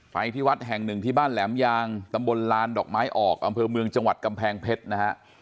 ที่วัดแห่งหนึ่งที่บ้านแหลมยางตำบลลานดอกไม้ออกอำเภอเมืองจังหวัดกำแพงเพชรนะฮะ